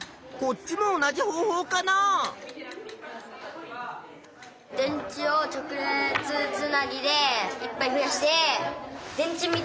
こっちも同じ方法かな？を調べる。